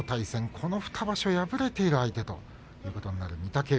この２場所敗れている相手ということになる御嶽海。